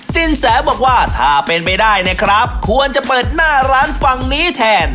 สินแสบอกว่าถ้าเป็นไปได้นะครับควรจะเปิดหน้าร้านฝั่งนี้แทน